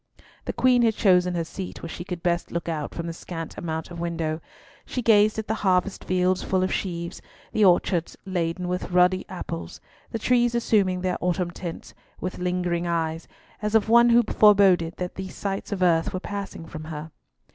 The Queen had chosen her seat where she could best look out from the scant amount of window. She gazed at the harvest fields full of sheaves, the orchards laden with ruddy apples, the trees assuming their autumn tints, with lingering eyes, as of one who foreboded that these sights of earth were passing from her.